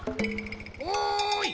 おい！